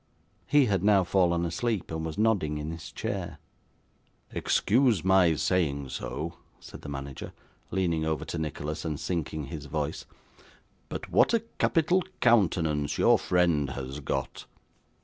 He had now fallen asleep, and was nodding in his chair. 'Excuse my saying so,' said the manager, leaning over to Nicholas, and sinking his voice, 'but what a capital countenance your friend has got!